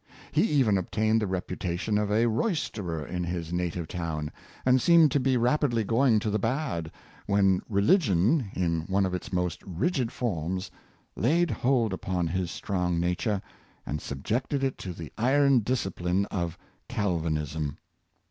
He even obtained the reputation of a roysterer in his native town, and seemed to be rapidly going to the bad, when religion, in one of its most rigid forms, laid hold upon his strong nature, and subjected it to the iron discipline of calvanism.